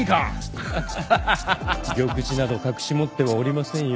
フフフ玉璽など隠し持ってはおりませんよ。